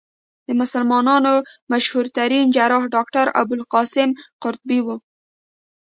د مسلمانانو مشهورترين جراح ډاکټر ابوالقاسم قرطبي وو.